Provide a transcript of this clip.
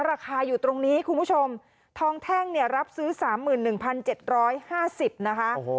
ราคาอยู่ตรงนี้คุณผู้ชมทองแท่งเนี่ยรับซื้อสามหมื่นหนึ่งพันเจ็ดร้อยห้าสิบนะคะโอ้โห